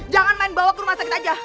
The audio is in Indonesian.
jangan main bawa ke rumah sakit aja